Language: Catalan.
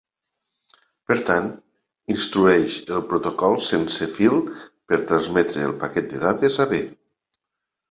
Per tant, instrueix el protocol sense fil per transmetre el paquet de dades a "B".